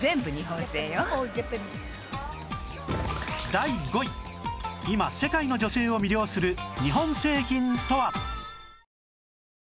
第５位今世界の女性を魅了する日本製品とは？